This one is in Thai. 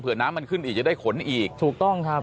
เพื่อน้ำมันขึ้นอีกจะได้ขนอีกถูกต้องครับ